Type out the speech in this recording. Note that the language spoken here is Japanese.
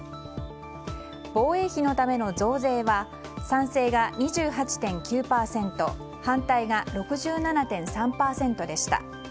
防衛費のための増税は賛成が２８．９％反対が６７．３％でした。